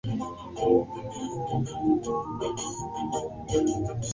tulivozifanya na tunatakiwa tufike wapi kwa serikali